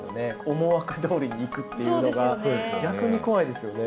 思惑どおりに行くっていうのが逆に怖いですよね。